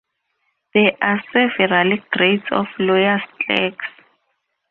There are several grades of lawyers’ clerks.